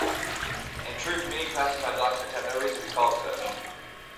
In truth, many "classified" documents have no reason to be called such.